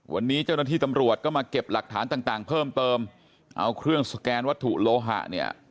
วันนี้เจ้าหน้าที่ตำรวจก็มาเก็บหลักฐานต่างต่างเพิ่มเติมเอาเครื่องสแกนวัตถุโลหะเนี่ย